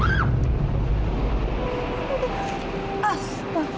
hei tunggu tunggu